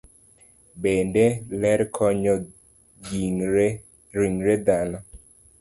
Bende, ler konyo ringre dhano.